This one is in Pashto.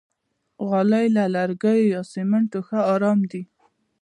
غالۍ له لرګیو یا سمنټو ښه آرام دي.